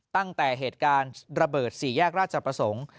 ตั้งแต่เหตุการณ์ระเบิด๔แยกราชประสงค์